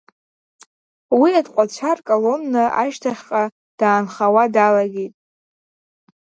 Уи аҭҟәацәа рколонна ашьҭахьҟа даанхауа далагеит.